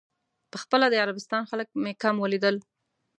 په خپله د عربستان خلک مې کم ولیدل.